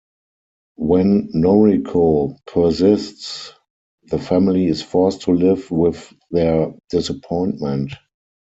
When Noriko persists the family is forced to live with their disappointment.